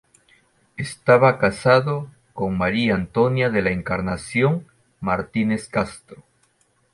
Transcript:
Estaba casado con María Antonia de la Encarnación Martínez Castro.